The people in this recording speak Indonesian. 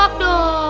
gua pasti pakai hhd